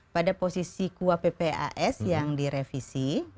pada posisi kuapps yang direvisi